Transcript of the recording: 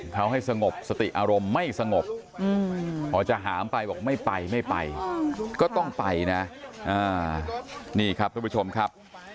เขาให้สงบสติอารมณ์ไม่สงบ